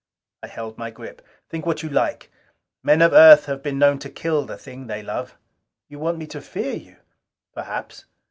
I held my grip. "Think what you like. Men of Earth have been known to kill the thing they love." "You want me to fear you?" "Perhaps."